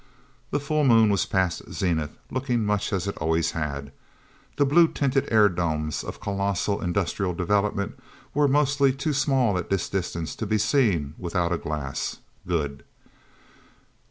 The full Moon was past zenith, looking much as it always had. The blue tinted air domes of colossal industrial development, were mostly too small at this distance to be seen without a glass. Good...